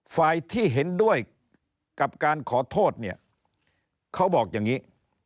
ฝ่ายที่เห็นด้วยกับการขอโทษเนี่ยเขาบอกอย่างนี้